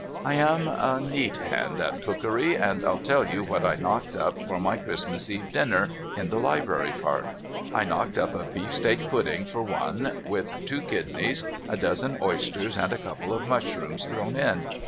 I am a neat hand at cookery, and I'll tell you what I knocked up for my Christmas eve dinner in the Library Cart. I knocked up a beefsteak pudding for one, with two kidneys, a dozen oysters, and a couple of mushrooms thrown in.